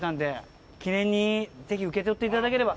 記念にぜひ受け取っていただければ。